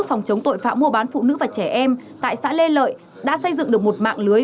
phòng chống tội phạm mua bán phụ nữ và trẻ em tại xã lê lợi đã xây dựng được một mạng lưới